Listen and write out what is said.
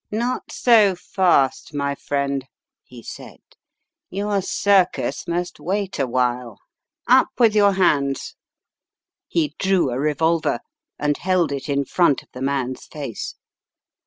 "Not so fast, my friend!" he said. "Your circus must wait awhile. Up with your hands/' He drew a revolver, and held it in front of the man's face.